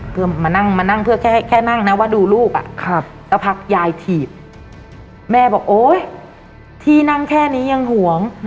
เพื่อแค่นั่งนะว่าดูลูกแล้วพักยายถีบแม่บอกทีนั่งแค่นี้ยังหวง